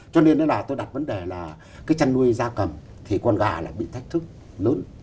cho nên là tôi đặt vấn đề là cái chăn nuôi da cầm thì con gà lại bị thách thức lớn